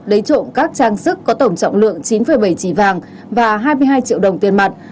lấy trộm các trang sức có tổng trọng lượng chín bảy chỉ vàng và hai mươi hai triệu đồng tiền mặt